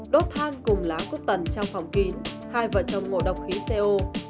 đốt than cùng lá cốt tần trong phòng kín hai vợ chồng ngộ độc khí co